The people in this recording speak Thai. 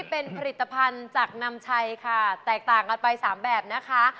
เป็นผลิตภัณฑ์จากนำชัยค่ะแตกต่างกันไป๓แบบนะคะ